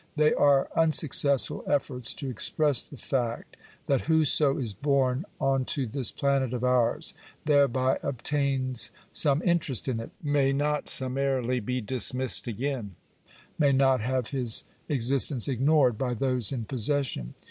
They are unsuccessful efforts to express the fact, that whoso is born on to this planet of ours thereby obtains some interest in it — may not be summarily dismissed again — may not have his existence ignored by those in possession.